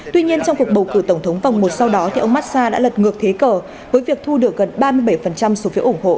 tuy nhiên trong cuộc bầu cử tổng thống vòng một sau đó ông mazda đã lật ngược thế cờ với việc thu được gần ba mươi bảy số phiếu ủng hộ